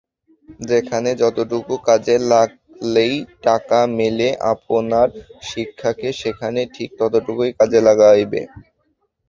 যেখানে যতটুকু কাজে লাগাইলে টাকা মেলে আপনার শিক্ষাকে সেখানে ঠিক ততটুকুই কাজে লাগাইবে?